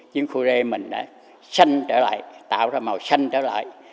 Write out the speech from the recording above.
chiến khu rê mình đã xanh trở lại tạo ra màu xanh trở lại